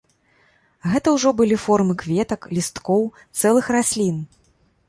Гэта ўжо былі формы кветак, лісткоў, цэлых раслін.